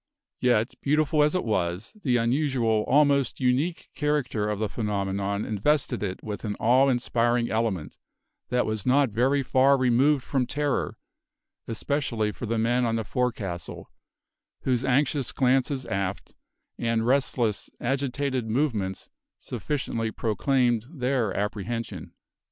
Yet, beautiful as it was, the unusual, almost unique character of the phenomenon invested it with an awe inspiring element that was not very far removed from terror, especially for the men on the forecastle, whose anxious glances aft, and restless, agitated movements sufficiently proclaimed their apprehension.